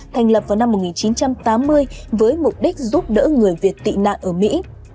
thành lập vào năm một nghìn chín trăm tám mươi với mục đích giúp đỡ người việt tị nạn ở mỹ